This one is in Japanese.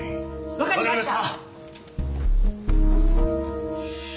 わかりました！